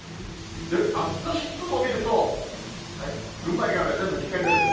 暑さ指数を見ると、群馬以外は全部危険レベル。